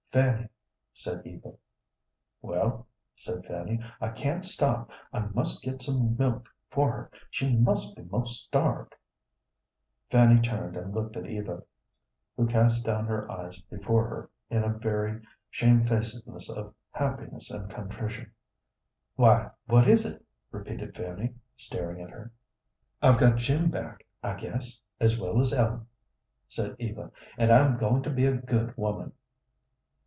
"Fanny," said Eva. "Well?" said Fanny. "I can't stop; I must get some milk for her; she must be 'most starved." Fanny turned and looked at Eva, who cast down her eyes before her in a very shamefacedness of happiness and contrition. "Why, what is it?" repeated Fanny, staring at her. "I've got Jim back, I guess, as well as Ellen," said Eva, "and I'm going to be a good woman."